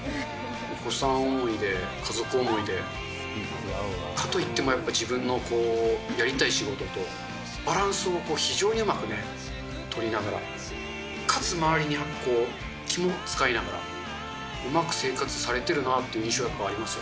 お子さん思いで、家族思いで、かといってもやっぱり自分のやりたい仕事と、バランスを非常にうまくね、取りながら、かつ周りにも気も遣いながら、うまく生活されてるなって印象がやっぱありますよ。